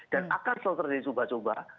dan akan selalu terjadi cuba cuba